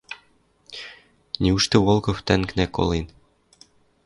«Неужты Волков тӓнгнӓ колен?» —